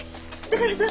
だからさ